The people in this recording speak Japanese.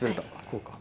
こうか。